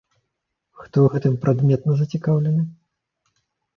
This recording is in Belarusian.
Хто ў гэтым прадметна зацікаўлены?